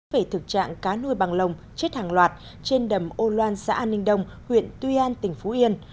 về thực trạng cá nuôi bằng lồng chết hàng loạt trên đầm âu loan xã an ninh đông huyện tuy an tỉnh phú yên